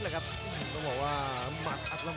ประโยชน์ทอตอร์จานแสนชัยกับยานิลลาลีนี่ครับ